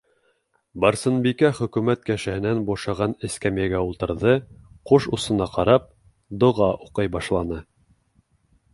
- Барсынбикә хөкүмәт кешеһенән бушаған эскәмйәгә ултырҙы, ҡуш усына ҡарап, доға уҡый башланы.